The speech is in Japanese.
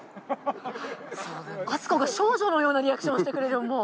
敦子が少女のようなリアクションしてくれるよ